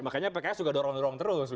makanya pks juga dorong dorong terus